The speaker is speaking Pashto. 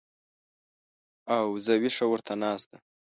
او زه وېښه ورته ناسته